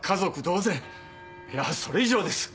いやそれ以上です！